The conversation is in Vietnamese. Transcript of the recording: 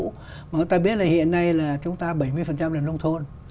mà chúng ta biết là hiện nay là chúng ta bảy mươi là nông thôn